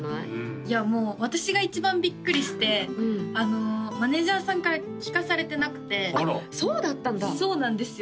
いやもう私が一番びっくりしてあのマネージャーさんから聞かされてなくてそうだったんだそうなんですよ